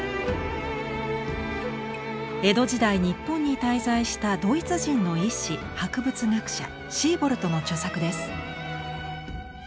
江戸時代日本に滞在したドイツ人の医師博物学者シーボルトの著作です。